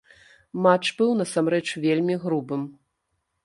Матч быў насамрэч вельмі грубым.